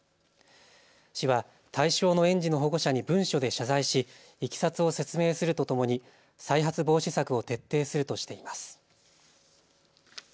市は対象の園児の保護者に文書で謝罪し、いきさつを説明するとともに再発防止策を徹底するとしています。